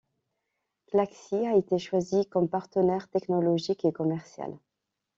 Klaxit a été choisi comme partenaire technologique et commercial.